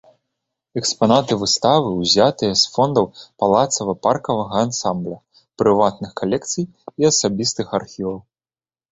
Экспанаты выставы узятыя з фондаў палацава-паркавага ансамбля, прыватных калекцый і асабістых архіваў.